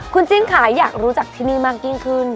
คุณจิ้งค่ะอยากรู้จักที่นี่มากยิ่งขึ้น